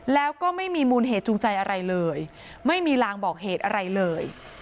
แล้วก็ไม่มีมูลเหตุจูงใจอะไรเลยไม่มีลางบอกเหตุอะไรเลย